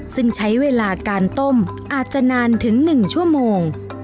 ซึ่งใช้เวลาการต้มอาจจะนานถึง๑ชั่วโมง